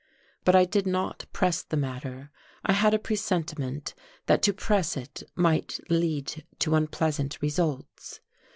But I did not press the matter. I had a presentiment that to press it might lead to unpleasant results.